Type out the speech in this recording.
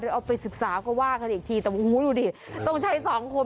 เอาไปศึกษาก็ว่ากันอีกทีแต่โอ้โหดูดิต้องใช้สองคน